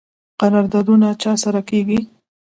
قراردادونه چا سره کیږي؟